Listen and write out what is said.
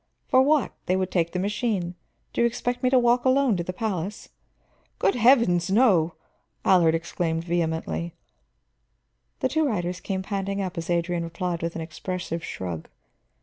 "For what? They would take the machine. Do you expect me to walk alone to the palace?" "Good heavens, no!" Allard exclaimed vehemently. The two riders came panting up as Adrian replied with an expressive shrug.